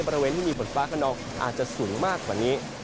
บริเวณที่มีฝนฟ้าขนองอาจจะสูงมากกว่านี้